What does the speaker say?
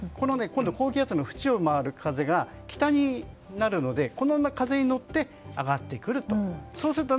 今度、高気圧の縁を回る風が北になるので、この風に乗って上がってくると。